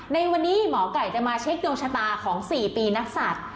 ในวันนี้หมอไก่จะมาเช็คดวงชะตาของ๔ปีนักศัตริย์